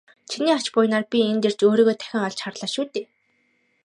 Чиний ач буянаар би энд ирж өөрийгөө дахин олж харлаа шүү дээ.